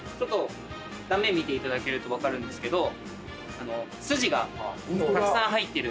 断面見ていただけると分かるんですけど筋がたくさん入ってる。